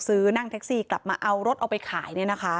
นั่งแท็กซี่กลับมาเอารถเอาไปขาย